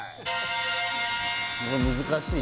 難しい？